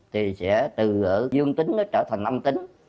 thì sẽ từ dương tính nó trở thành âm tính